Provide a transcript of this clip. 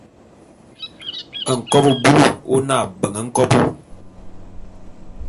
Nkobô bulu ô ne abeng nkobo.